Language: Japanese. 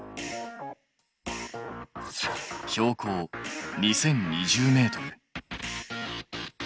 標高２０２０ｍ。